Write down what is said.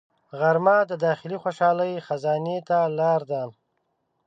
غرمه د داخلي خوشحالۍ خزانې ته لار ده